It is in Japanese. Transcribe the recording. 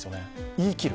言い切る。